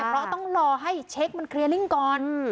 เพราะต้องรอให้เช็คมันเคลียร์ลิ่งก่อน